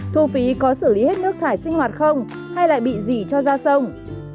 thu phí có xử lý hết nước thải sinh hoạt không hay lại bị gì cho ra sông